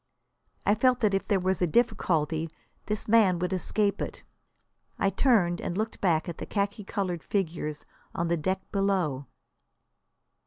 I felt that if there was a difficulty this man would escape it. I turned and looked back at the khaki coloured figures on the deck below.